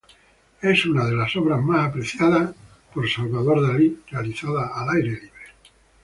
Es una de las obras más apreciadas por Salvador Dalí realizada al aire libre.